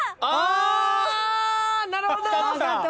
あ！